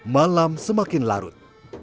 malam semakin larut